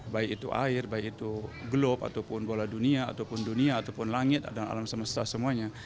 baik itu air baik itu globe ataupun bola dunia ataupun dunia ataupun langit dan alam semesta semuanya